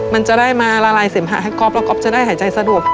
มันจะได้มาละลายเสมหะให้ก๊อฟแล้วก๊อฟจะได้หายใจสะดวก